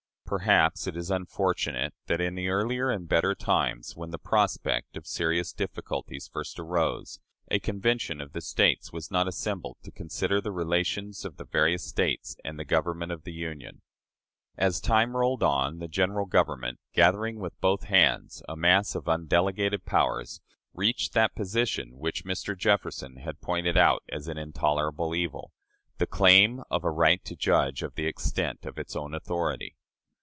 Perhaps it is unfortunate that, in earlier and better times, when the prospect of serious difficulties first arose, a convention of the States was not assembled to consider the relations of the various States and the Government of the Union. As time rolled on, the General Government, gathering with both hands a mass of undelegated powers, reached that position which Mr. Jefferson had pointed out as an intolerable evil the claim of a right to judge of the extent of its own authority.